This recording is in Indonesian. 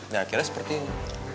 dan akhirnya seperti ini